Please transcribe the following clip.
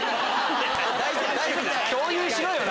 共有しろよ。